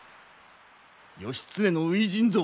義経の初陣ぞ！